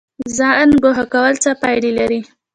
ځان ګوښه کول څه پایله لري؟